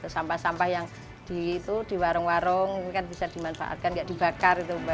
sampah sampah yang di warung warung kan bisa dimanfaatkan gak dibakar itu mbak